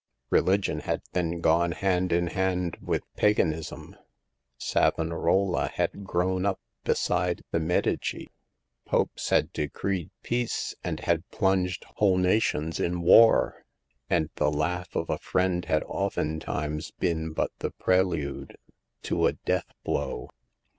Religion had then gone hand in hand with paganism ; Savonarola had grown up beside the Medici ; Popes had decreed peace, and had plunged whole nations in war ; and the laugh of a friend had oftentimes been but a prelude to the death blow.